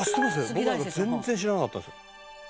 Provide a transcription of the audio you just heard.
僕なんか全然知らなかったです」